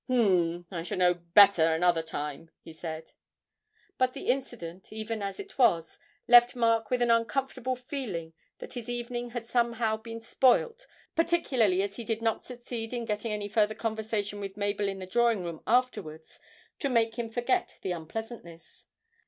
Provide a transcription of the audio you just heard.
'H'm, I shall know better another time,' he said. But the incident, even as it was, left Mark with an uncomfortable feeling that his evening had somehow been spoilt, particularly as he did not succeed in getting any further conversation with Mabel in the drawing room afterwards to make him forget the unpleasantness.